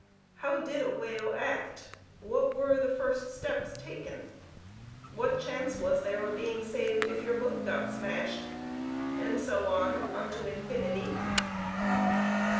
How did a whale act, what were the first steps taken, what chance was there of being saved if your boat got smashed, and so on unto infinity.